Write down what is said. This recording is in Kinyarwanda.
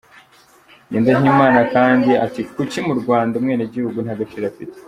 – Ngendahimana kandi ati Kuki mu Rwanda, umwenegihugu nta gaciro afite ?